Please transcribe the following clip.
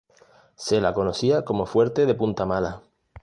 Se la conocía como fuerte de Punta Mala.